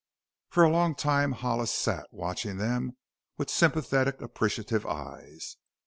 For a long time Hollis sat, watching them with sympathetic, appreciative eyes.